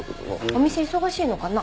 お店忙しいのかな？